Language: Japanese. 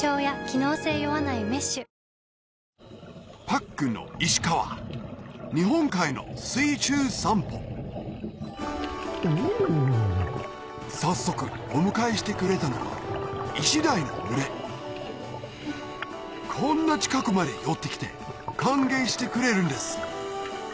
パックンの石川日本海の水中散歩早速お迎えしてくれたのはこんな近くまで寄ってきて歓迎してくれるんです